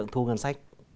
thu ngân sách